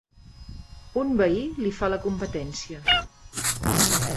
Un veí li fa la competència.